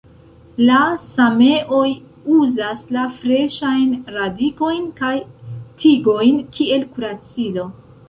La sameoj uzas la freŝajn radikojn kaj tigojn kiel kuracilo.